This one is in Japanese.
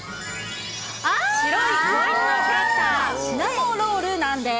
白い子犬のキャラクター、シナモロールなんです。